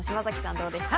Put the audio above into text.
どうですか？